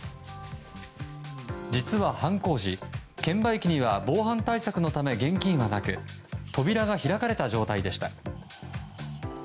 実は犯行時、券売機には防犯対策のため現金はなく扉が開かれた状態でした。